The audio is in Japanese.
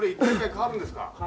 変わるんです。